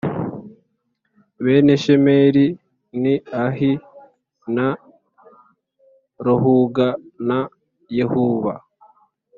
Bene shemeri ni ahi na rohuga na yehuba